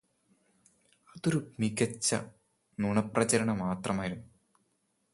അതൊരു മികച്ച നുണപ്രചരണം മാത്രമായിരുന്നു